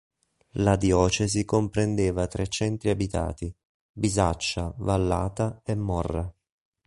La diocesi comprendeva tre centri abitati: Bisaccia, Vallata e Morra.